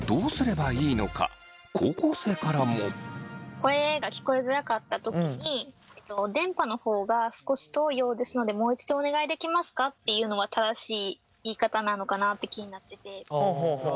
声が聞こえづらかった時に「電波の方が少し遠いようですのでもう一度お願いできますか？」って言うのは正しい言い方なのかなって気になってて。